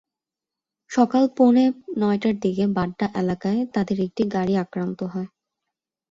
সকাল পৌনে নয়টার দিকে বাড্ডা এলাকায় তাঁদের একটি গাড়ি আক্রান্ত হয়।